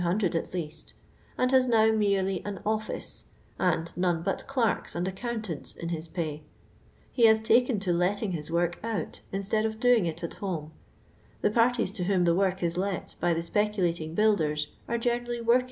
U at least), and has now merely an oiHco, and none but clerks and accountants in his pay. He has taken to lotting his work out instead of doing it at home. The parties to whom the work is let by tho speculating builders are generally w«)rkii.